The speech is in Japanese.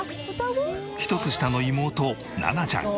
１つ下の妹ななちゃん。